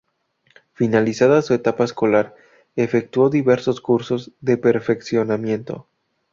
Finalizada su etapa escolar, efectuó diversos cursos de perfeccionamiento.